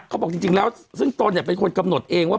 เขาบอกจริงแล้วซึ่งตนเนี่ยเป็นคนกำหนดเองว่า